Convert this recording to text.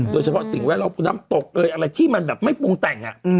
โดยเฉพาะสิ่งไว้เราน้ำตกอะไรที่มันแบบไม่ปรุงแต่งอะ